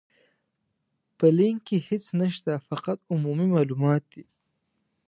په لينک کې هيڅ نشته، فقط عمومي مالومات دي.